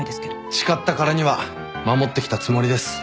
誓ったからには守ってきたつもりです。